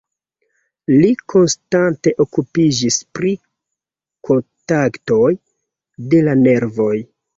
Li konstante okupiĝis pri kontaktoj de la nervoj.